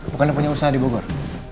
bukannya punya usaha dibogor